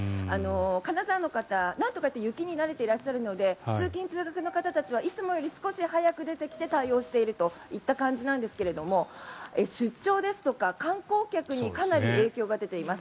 金沢の方、雪に慣れているので通勤・通学の方たちはいつもより少し早く出てきて対応しているといった感じですが出張ですとか観光客にかなり影響が出ています。